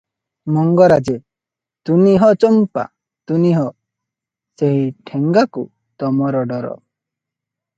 ମଙ୍ଗରାଜେ - ତୁନି ହ ଚମ୍ପା, ତୁନି ହ! ସେହି ଠେଙ୍ଗାକୁ ତ ମୋର ଡର ।